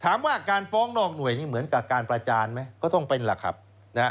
ถามว่าการฟ้องนอกหน่วยนี่เหมือนกับการประจานไหมก็ต้องเป็นล่ะครับนะฮะ